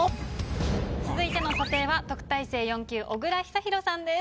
続いての査定は特待生４級小倉久寛さんです。